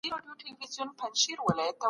وروسته د مرستو د انسجام اداره ور وسپارل شوه.